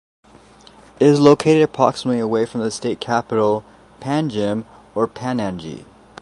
It is located approximately away from the State capital Panjim or Panaji.